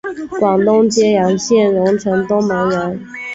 广东揭阳县榕城东门人。